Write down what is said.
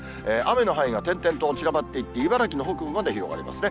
雨の範囲が点々と散らばっていって、茨城の北部まで広がりますね。